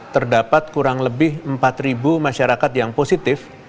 terdapat kurang lebih empat masyarakat yang positif